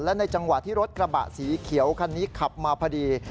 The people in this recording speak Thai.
และในจังหวะที่รถกระบะสีเขียวคันนี้ขับมาพอดี